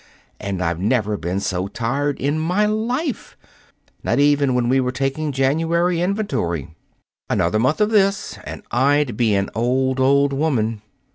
And I've never been so tired in my life not even when we were taking January inventory. Another month of this, and I'd be an old, old woman.